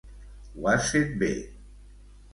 Ho has fet bé.